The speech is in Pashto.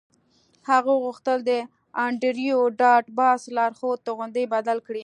هغه غوښتل د انډریو ډاټ باس لارښود توغندی بدل کړي